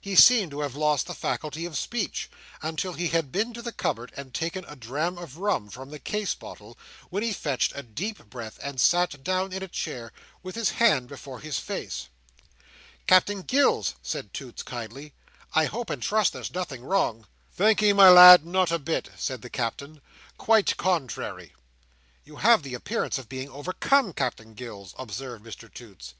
He seemed to have lost the faculty of speech, until he had been to the cupboard and taken a dram of rum from the case bottle, when he fetched a deep breath, and sat down in a chair with his hand before his face. "Captain Gills," said Toots, kindly, "I hope and trust there's nothing wrong?" "Thank'ee, my lad, not a bit," said the Captain. "Quite contrairy." "You have the appearance of being overcome, Captain Gills," observed Mr Toots.